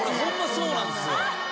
そうなんすよ。